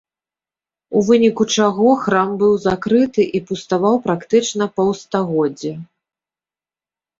У выніку чаго храм быў закрыты і пуставаў практычна паўстагоддзя.